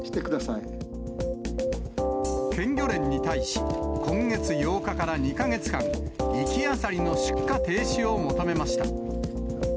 県漁連に対し、今月８日から２か月間、活きアサリの出荷停止を求めました。